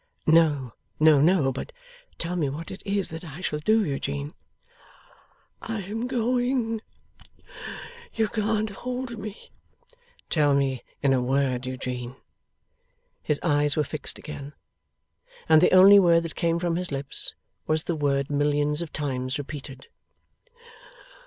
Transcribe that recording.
'No, no, no. But tell me what it is that I shall do, Eugene!' 'I am going! You can't hold me.' 'Tell me in a word, Eugene!' His eyes were fixed again, and the only word that came from his lips was the word millions of times repeated.